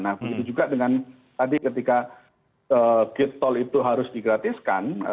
nah begitu juga dengan tadi ketika gate tol itu harus digratiskan